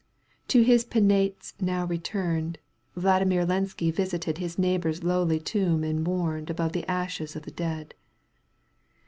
To his Penates now returned, Vladimir Lenski visited His neighbour's lowly tomb and mourned Above the ashes of the dead.